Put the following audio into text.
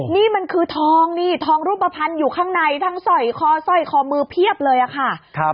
นี่มันคือทองรูปพันธุ์อยู่ข้างในทั้งสอยขอสอยขอมือเพียบเลยอ่ะค่ะ